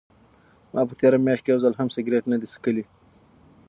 ما په تېره میاشت کې یو ځل هم سګرټ نه دی څښلی.